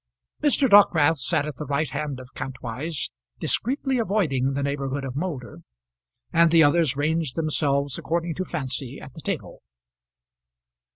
Mr. Dockwrath sat at the right hand of Kantwise, discreetly avoiding the neighbourhood of Moulder, and the others ranged themselves according to fancy at the table.